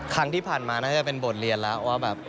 ครั้งที่ผ่านมาน่าจะเป็นบทเรียนแล้วว่าแบบ